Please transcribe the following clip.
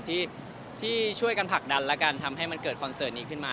ที่ช่วยกันผลักดันแล้วกันทำให้มันเกิดคอนเสิร์ตนี้ขึ้นมา